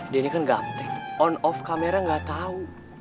dia ini kan gaptek on off kamera gak tau